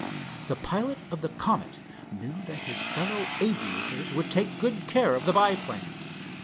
The pilot of the Comet knew that his fellow aviators would take good care of the biplane.